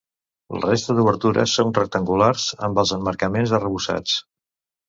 La resta d'obertures són rectangulars, amb els emmarcaments arrebossats.